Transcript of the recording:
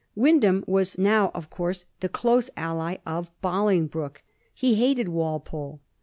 Wyndham was now, of course, the close ally of Bolingbroke. He hated Walpole.